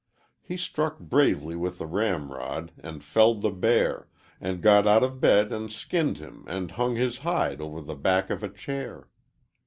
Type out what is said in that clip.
He struck bravely with the ramrod and felled the bear, and got out of bed and skinned him and hung his hide over the back of a chair.